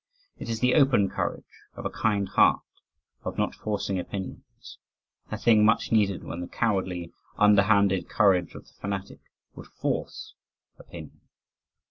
It is the open courage of a kind heart, of not forcing opinions a thing much needed when the cowardly, underhanded courage of the fanatic would FORCE opinion.